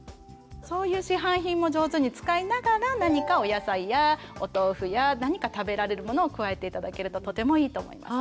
そういう市販品も上手に使いながら何かお野菜やお豆腐や何か食べられるものを加えて頂けるととてもいいと思います。